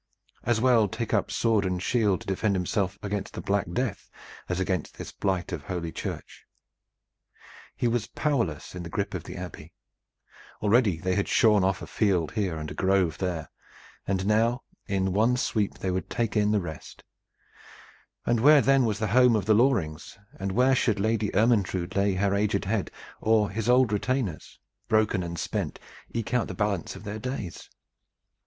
As well take up sword and shield to defend himself against the black death, as against this blight of Holy Church. He was powerless in the grip of the Abbey. Already they had shorn off a field here and a grove there, and now in one sweep they would take in the rest, and where then was the home of the Lorings, and where should Lady Ermyntrude lay her aged head, or his old retainers, broken and spent, eke out the balance of their days?